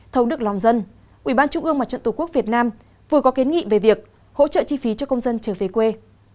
thống đức long dân ubnd tp hcm vừa có kiến nghị về việc hỗ trợ chi phí cho công dân trở về quê